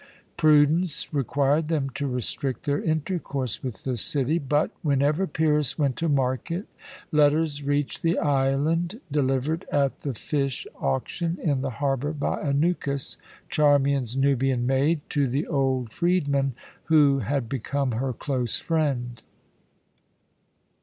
Prudence required them to restrict their intercourse with the city. But, whenever Pyrrhus went to market, letters reached the island delivered at the fish auction in the harbour by Anukis, Charmian's Nubian maid, to the old freedman, who had become her close friend.